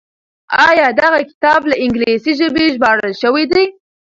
آيا دغه کتاب له انګليسي ژبې ژباړل شوی دی؟